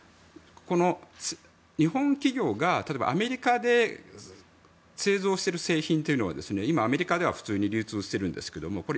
日本企業が、例えばアメリカで製造している製品というのは今、アメリカでは普通に流通しているんですがこれ、